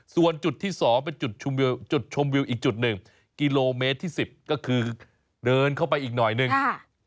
ส่วนจุดที่๒เป็นจุดชมวิวอีกจุดหนึ่งกิโลเมตรที่๑๐ก็คือเดินเข้าไปอีกหน่อยหนึ่ง